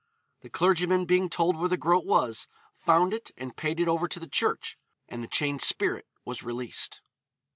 The clergyman being told where the groat was, found it and paid it over to the church, and the chained spirit was released.